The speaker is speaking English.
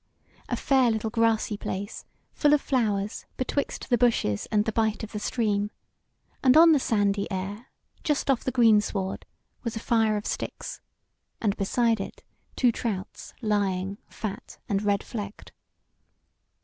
a fair little grassy place, full of flowers, betwixt the bushes and the bight of the stream; and on the little sandy ere, just off the greensward, was a fire of sticks, and beside it two trouts lying, fat and red flecked.